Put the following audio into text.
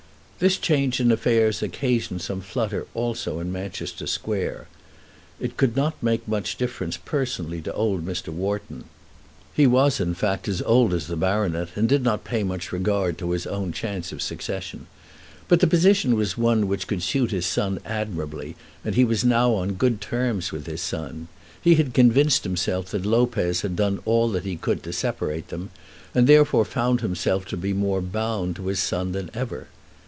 This change in affairs occasioned some flutter also in Manchester Square. It could not make much difference personally to old Mr. Wharton. He was, in fact, as old as the baronet, and did not pay much regard to his own chance of succession. But the position was one which would suit his son admirably, and he was now on good terms with his son. He had convinced himself that Lopez had done all that he could to separate them, and therefore found himself to be more bound to his son than ever.